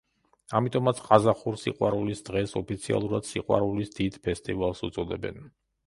ამიტომაც ყაზახურ სიყვარულის დღეს ოფიციალურად „სიყვარულის დიდ ფესტივალს“ უწოდებენ.